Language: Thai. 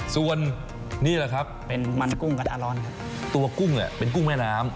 ส่วนนี่แหละครับเป็นมันกุ้งกระทะร้อนครับตัวกุ้งเป็นกุ้งแม่น้ำ